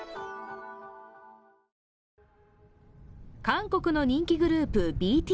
韓国の人気グループ、ＢＴＳ。